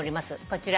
こちら。